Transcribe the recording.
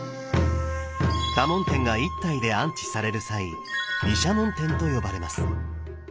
多聞天が１体で安置される際毘沙門天と呼ばれます。